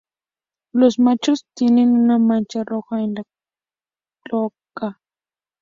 Los machos tienen una mancha roja en la cloaca.